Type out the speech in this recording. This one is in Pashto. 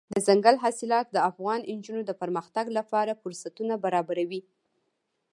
دځنګل حاصلات د افغان نجونو د پرمختګ لپاره فرصتونه برابروي.